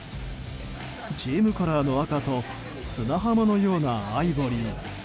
チームカラーの赤と砂浜のようなアイボリー。